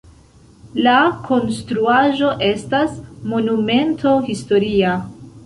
La konstruaĵo estas monumento historia.